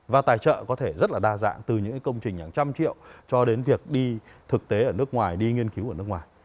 và tài trợ có thể rất là đa dạng từ những công trình hàng trăm triệu cho đến việc đi thực tế ở nước ngoài đi nghiên cứu ở nước ngoài